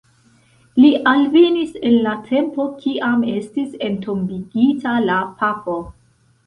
Li alvenis en la tempo, kiam estis entombigita la papo.